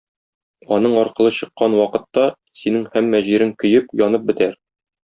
Аның аркылы чыккан вакытта синең һәммә җирең көеп, янып бетәр.